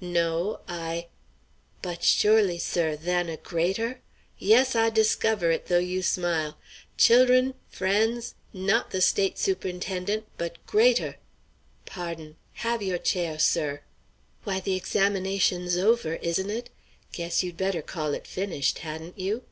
"No, I" "But surely, sir, than a greater? Yes, I discover it, though you smile. Chil'run friends not the State Sup'inten'ent, but greater! Pardon; have yo' chair, sir." "Why, the examination's over, isn't it? Guess you'd better call it finished, hadn't you?"